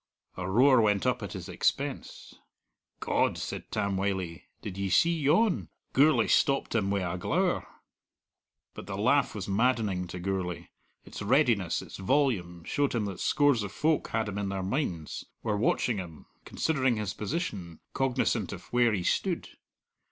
A roar went up at his expense. "God!" said Tam Wylie, "did ye see yon? Gourlay stopped him wi' a glower." But the laugh was maddening to Gourlay. Its readiness, its volume, showed him that scores of folk had him in their minds, were watching him, considering his position, cognizant of where he stood.